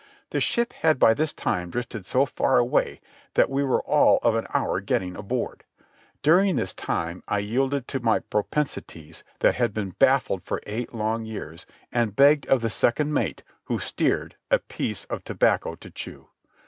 The ship had by this time drifted so far away, that we were all of an hour in getting aboard. During this time I yielded to my propensities that had been baffled for eight long years, and begged of the second mate, who steered, a piece of tobacco to chew.